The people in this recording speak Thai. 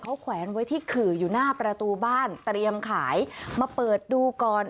เขาแขวนไว้ที่ขื่ออยู่หน้าประตูบ้านเตรียมขายมาเปิดดูก่อน